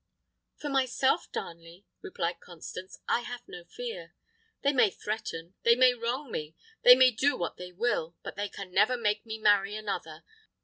"For myself, Darnley," replied Constance, "I have no fear. They may threaten, they may wrong me, they may do what they will, but they can never make me marry another.